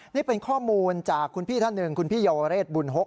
นี่เป็นข้อมูลจากคุณพี่ท่านหนึ่งคุณพี่เยาวเรศบุญฮก